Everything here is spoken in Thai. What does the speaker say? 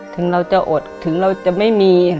ถึงเราจะอดถึงเราจะไม่มีค่ะ